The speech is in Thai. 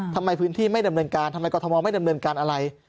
ทำไมพื้นที่ไม่ดำเนินการทำไมกรทมไม่ดำเนินการอะไร